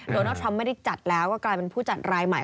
โดนัลดทรัมป์ไม่ได้จัดแล้วก็กลายเป็นผู้จัดรายใหม่